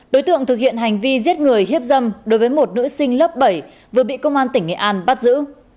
đối tượng thực hiện hành vi giết người hiếp dâm đối với một nữ sinh lớp bảy vừa bị công an tỉnh nghệ an bắt giữ